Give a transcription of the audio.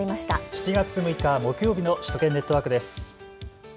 ７月６日木曜日の首都圏ネットワークです。